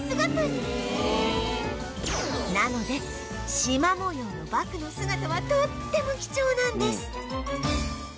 なのでしま模様のバクの姿はとっても貴重なんです